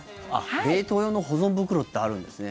冷凍用の保存袋ってあるんですね。